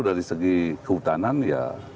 dari segi kehutanan ya